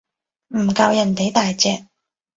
唔夠人哋大隻